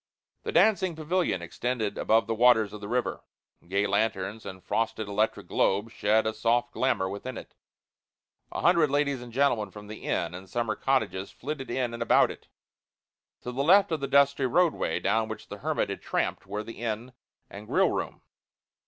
The dancing pavilion extended above the waters of the river. Gay lanterns and frosted electric globes shed a soft glamour within it. A hundred ladies and gentlemen from the inn and summer cottages flitted in and about it. To the left of the dusty roadway down which the hermit had tramped were the inn and grill room.